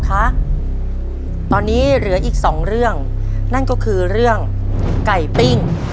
ครับตอนนี้เหลืออีกสองเรื่องนั่นก็คือเรื่องไก่ปิ้ง